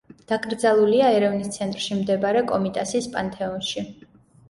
დაკრძალულია ერევნის ცენტრში მდებარე კომიტასის პანთეონში.